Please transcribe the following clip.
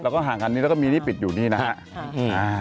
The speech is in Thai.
แล้วก็ห่างกันนี้แล้วก็มีนี่ปิดอยู่นี่นะครับ